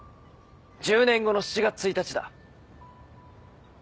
１０年後の７月１日だ。